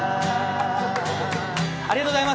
ありがとうございます。